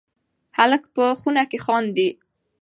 هلک په خونه کې خاندي.